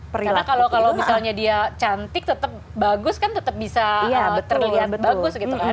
karena kalau misalnya dia cantik tetap bagus kan tetap bisa terlihat bagus gitu kan